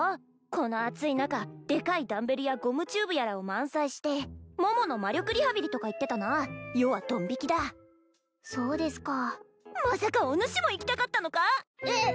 この暑い中でかいダンベルやゴムチューブやらを満載して桃の魔力リハビリとか言ってたな余はドン引きだそうですかまさかおぬしも行きたかったのかえっ？